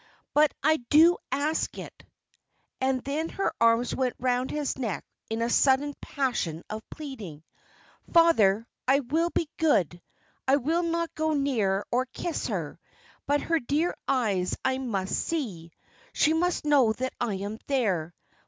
"But I do ask it." And then her arms went round his neck in a sudden passion of pleading. "Father, I will be good I will not go near or kiss her; but her dear eyes must see me she must know that I am there.